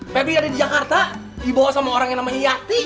febri ada di jakarta dibawa sama orang yang namanya yati